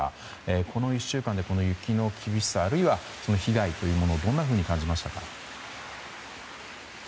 この１週間で、雪の厳しさあるいは被害というものをどんなふうに感じましたか。